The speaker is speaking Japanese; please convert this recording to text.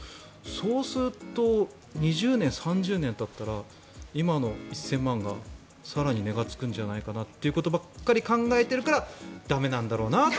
そうすると２０年、３０年たったら今の１０００万円が更に値がつくんじゃないかなということばかり考えているから駄目なんだろうなって